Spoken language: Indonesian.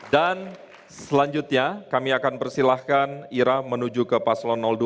dan selanjutnya kami akan persilahkan ira menuju ke paslon dua